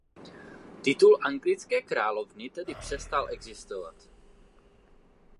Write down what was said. Titul anglické královny tehdy přestal existovat.